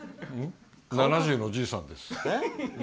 ７０のじいさんです。